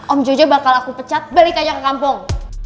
om jojo bakal aku pecat balik aja ke kampung